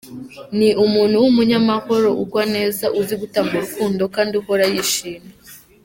Ni umuntu w’umunyamahoro, ugwa neza, uzi gutanga urukundo kandi uhora yishimye.